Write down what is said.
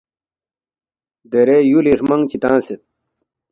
درے یُولی ہرمنگ چی تنگسید